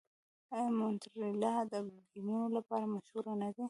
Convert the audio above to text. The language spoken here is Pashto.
آیا مونټریال د ګیمونو لپاره مشهور نه دی؟